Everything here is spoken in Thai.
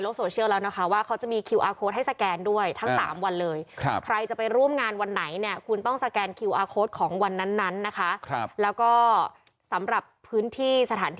เรื่องอื่นค่อยว่ากัน